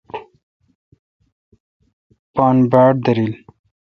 پان باڑ داریل۔